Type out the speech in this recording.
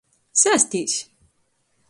Sēstīs!